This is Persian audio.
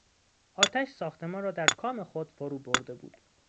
آتش ساختمان را در کام خود فرو برده بود.